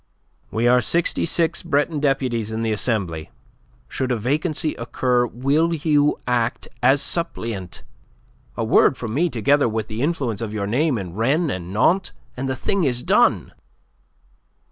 "We are sixty six Breton deputies in the Assembly. Should a vacancy occur, will you act as suppleant? A word from me together with the influence of your name in Rennes and Nantes, and the thing is done."